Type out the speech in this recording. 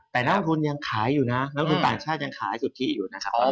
แต่นักลงทุนยังขายอยู่นะนักทุนต่างชาติยังขายสุทธิอยู่นะครับ